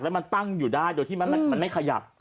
มันตั้งอยู่ได้โดยที่มันไม่ขยับ